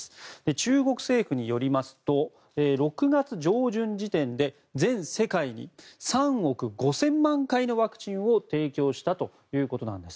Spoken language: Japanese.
中国政府によりますと６月上旬時点で全世界に３億５０００万回のワクチンを提供したということなんです。